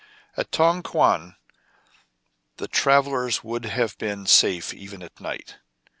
At Tong Kouan the travellers would have been safe even at night.